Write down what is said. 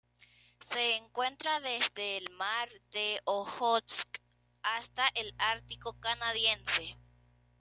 Se encuentra desde el Mar de Ojotsk hasta el Ártico canadiense.